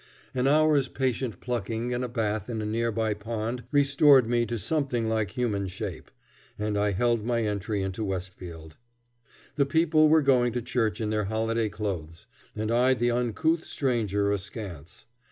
An hour's patient plucking and a bath in a near by pond restored me to something like human shape, and I held my entry into Westfield. The people were going to church in their holiday clothes, and eyed the uncouth stranger askance.